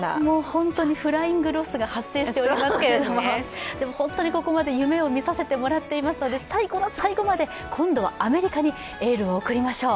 本当にフライングロスが発生していますけれども、夢を見させていただいていますので、最後の最後まで今度はアメリカにエールを送りましょう。